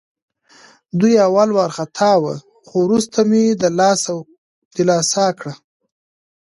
دی اول وارخطا وه، خو وروسته مې دلاسا کړه.